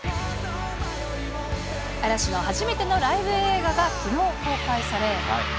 嵐の初めてのライブ映画が、きのう公開され。